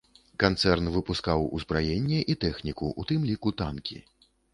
Канцэрн выпускаў узбраенне і тэхніку, у тым ліку танкі.